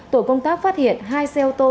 tổ công tác phát hiện hai xe ô tô